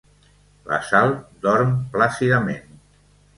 La Sal dorm plàcidament.